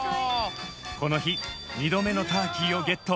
この日２度目のターキーをゲット！